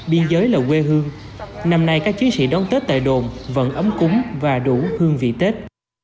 biên giới là quê hương năm nay các chiến sĩ đón tết tại đồn vẫn ấm cúng và đủ hương vị tết